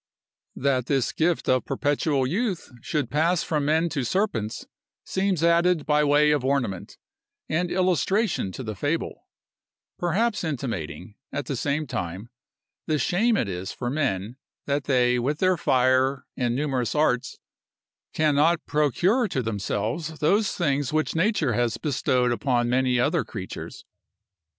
That this gift of perpetual youth should pass from men to serpents, seems added by way of ornament, and illustration to the fable; perhaps intimating, at the same time, the shame it is for men, that they, with their fire, and numerous arts, cannot procure to themselves those things which nature has bestowed upon many other creatures.